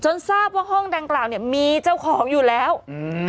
ทราบว่าห้องดังกล่าวเนี้ยมีเจ้าของอยู่แล้วอืม